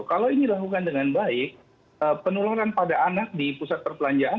kalau ini dilakukan dengan baik penularan pada anak di pusat perbelanjaan